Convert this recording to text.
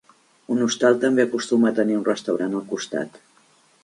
Un hostal també acostuma a tenir un restaurant al costat.